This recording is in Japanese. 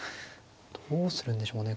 どうするんでしょうね。